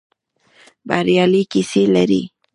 بریالۍ کيسې لري.